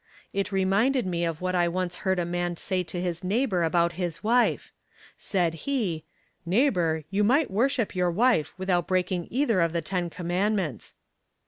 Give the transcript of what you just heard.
It reminded me of what I once heard a man say to his neighbor about his wife; said he, "Neighbor, you might worship your wife without breaking either of the ten commandments."